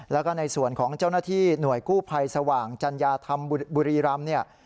แล้วก็ในส่วนของเจ้าหน้าที่หน่วยกู้ภัยสว่างจัญญาธรรมบุรีรำเนี่ย